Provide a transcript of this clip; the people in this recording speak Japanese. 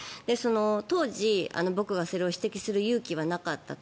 当時、僕はそれを指摘する勇気はなかったと。